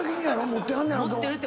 持ってはんねやろ。